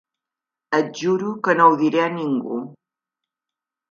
Et juro que no ho diré a ningú.